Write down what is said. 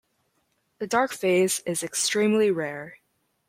The dark phase is extremely rare.